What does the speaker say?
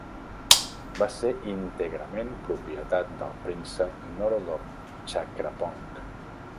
Va ser íntegrament propietat del príncep Norodom Chakrapong.